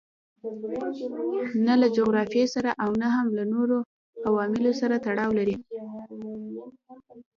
نه له جغرافیې سره او نه هم له نورو عواملو سره تړاو لري.